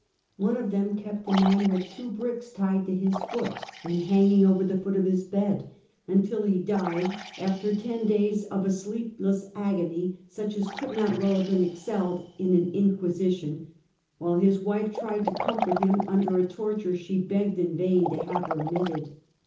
One of them kept a man, with two bricks tied to his foot and hanging over the foot of the bed, until he died, after ten days of a sleepless agony such as could not well have been excelled in an Inquisition; while his wife tried to comfort him under a torture she begged in vain to have remitted.